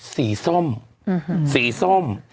สีส้ม